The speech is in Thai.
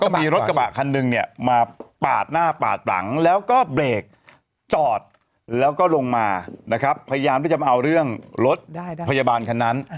พยายามว่าจะมาเอาเรื่องรถพยาบาลคันนั้น